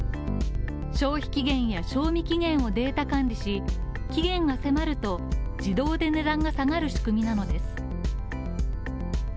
消費期限や賞味期限をデータ管理し期限が迫ると自動で値段が下がる仕組みなのです。